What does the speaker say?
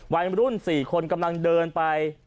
วัยรุ่น๔คนกำลังเดินไป